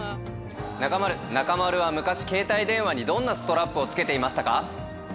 中丸、中丸は昔、携帯電話にどんなストラップをつけていましたか？